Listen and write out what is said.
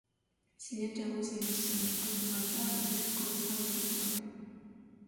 Силер жалгыз эмессиӊер, артыӊарда бүт Кыргызстан эли турат.